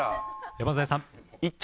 山添さん